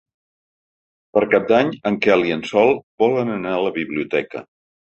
Per Cap d'Any en Quel i en Sol volen anar a la biblioteca.